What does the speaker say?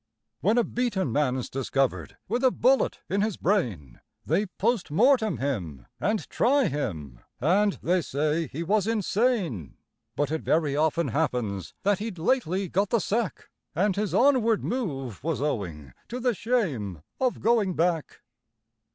When a beaten man's discovered with a bullet in his brain, They POST MORTEM him, and try him, and they say he was insane; But it very often happens that he'd lately got the sack, And his onward move was owing to the shame of going back.